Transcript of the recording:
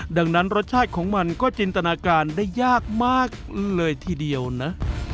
ดังนั้นรสชาติของมันก็จินตนาการได้ยากมากเลยทีเดียวนะ